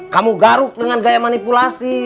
kamu garuk dengan gaya manipulasi